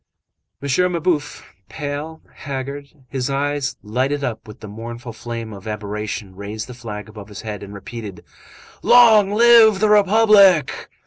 M. Mabeuf, pale, haggard, his eyes lighted up with the mournful flame of aberration, raised the flag above his head and repeated:— "Long live the Republic!"